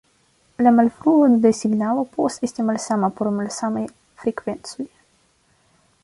La malfruo de signalo povas esti malsama por malsamaj frekvencoj.